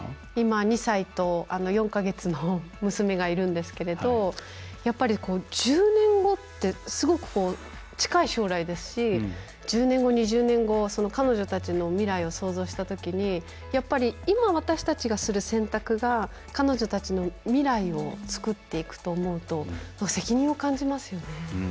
２歳と４か月の娘がいるんですけれど、やっぱり１０年後ってすごく近い将来ですし１０年後、２０年後彼女のたちの未来を想像したときにやっぱり今、私たちがする選択が彼女たちの未来をつくっていくと思うと責任を感じますよね。